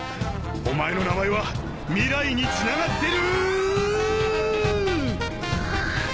お前の名前は未来につながってる！